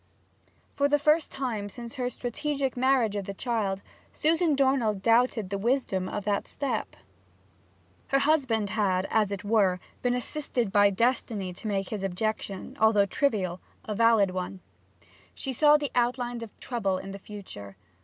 For the first time since her strategic marriage of the child, Susan Dornell doubted the wisdom of that step. Her husband had, as it were, been assisted by destiny to make his objection, originally trivial, a valid one. She saw the outlines of trouble in the future.